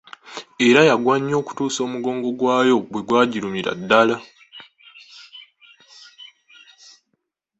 Era yagwa nnyo okutuusa omugongo gw'ayo bwe gwaggirumira ddala.